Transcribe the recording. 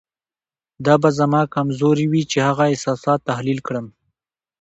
دا به زما کمزوري وي چې هغه احساسات تحلیل کړم.